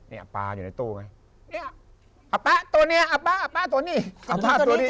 นี่ป่าอยู่ในตู้ไหมนี่ป่าตัวนี้ป่าตัวนี้จะกินตัวนี้